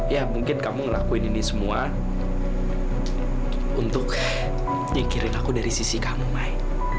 ya mungkin kamu ngelakuin ini semua untuk nyingkirin aku dari sisi kamu mai